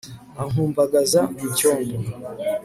ankumbagaza mu cyondo